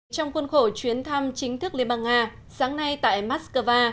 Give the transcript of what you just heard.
trong khuôn khổ chuyến thăm chính thức liên bang nga sáng nay tại moscow